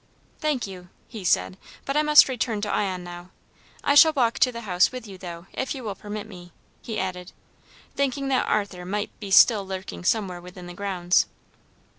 "Thank you," he said, "but I must return to Ion now. I shall walk to the house with you though, if you will permit me," he added, thinking that Arthur might be still lurking somewhere within the grounds.